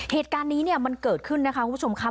เหตุการณ์นี้เนี่ยมันเกิดขึ้นนะคะคุณผู้ชมค่ะ